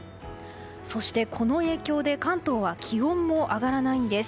そして、この影響で関東は気温も上がらないんです。